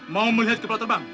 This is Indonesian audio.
mau melihat kepala terbang